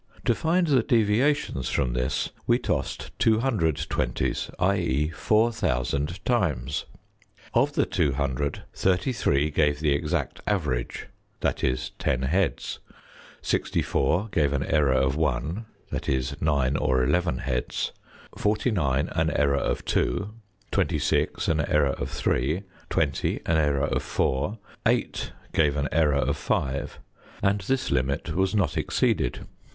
To find the deviations from this, we tossed two hundred twenties, i.e., four thousand times. Of the two hundred, thirty three gave the exact average, viz.: 10 heads; sixty four gave an error of one, viz.: 9 or 11 heads; forty nine, an error of two; twenty six, an error of three; twenty, an error of four; eight gave an error of five, and this limit was not exceeded.